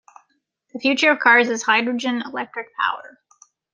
The future of cars is Hydrogen Electric power.